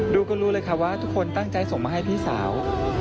ดูก็รู้เลยค่ะว่าทุกคนตั้งใจส่งมาให้พี่สาว